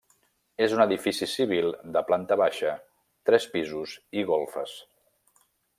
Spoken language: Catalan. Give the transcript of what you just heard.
És un edifici civil de planta baixa, tres pisos i golfes.